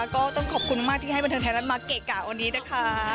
ก็ต้องขอบคุณมากที่ให้บันเทิงไทยรัฐมาเกะกะวันนี้นะคะ